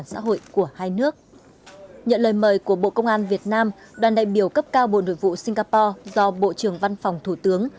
nhận lời mời của bộ công an việt nam đoàn đại biểu cấp cao bộ nội vụ singapore do bộ trưởng văn phòng thủ tướng